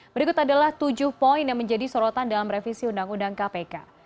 berikut adalah tujuh poin yang menjadi sorotan dalam revisi undang undang kpk